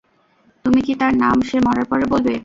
তুমি কি তার নাম সে মরার পরে বলবে?